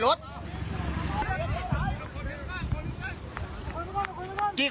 รถไข้